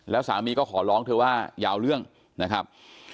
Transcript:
แล้วสามีก็ขอร้องเธอว่ายาวเรื่องนะครับ